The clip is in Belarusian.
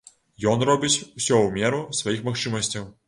Ён робіць усё ў меру сваіх магчымасцяў.